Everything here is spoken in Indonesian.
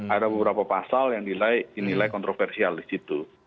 ada beberapa pasal yang dinilai kontroversial di situ